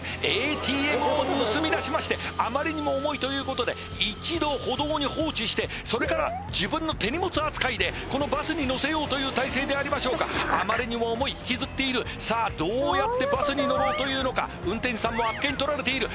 ＡＴＭＡＴＭを盗み出しましてあまりにも重いということで一度歩道に放置してそれから自分の手荷物扱いでこのバスにのせようという態勢でありましょうかあまりにも重い引きずっているさあどうやってバスに乗ろうというのか運転手さんもあっけにとられている